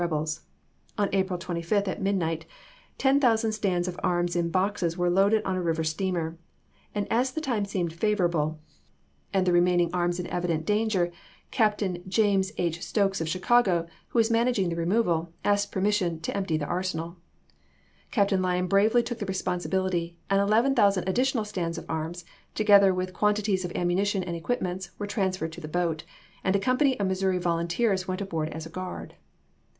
rebels. On April 25, at midnight, 10,000 stands of arms in boxes were loaded on a river steamer ; and as the time seemed favorable, and the remaining THE OHIO LINE 199 arms were in evident danger, Captain James H. chap. x. Stokes of Chicago, who was managing the removal, asked permission " to empty the arsenal." Captain' Lyon bravely took the responsibility, and 11,000 ad ditional stands of arms, together with quantities of ammunition and equipments, were transferred to the boat, and a company of Missouii volunteers went aboard as a guard.